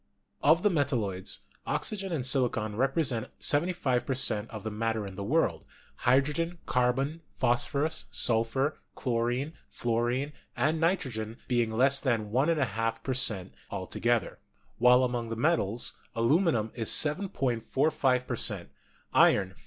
Of the metalloids, oxygen and silicon represent 75 per cent, of the matter in the world, hydrogen, carbon, phosphorus, sulphur, chlorine, fluorine and nitrogen be ing less than 1^2 per cent, all together; while among the metals, aluminum is 7.45 per cent. : iron, 4.